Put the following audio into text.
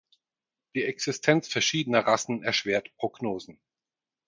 Die Existenz verschiedener Rassen erschwert Prognosen.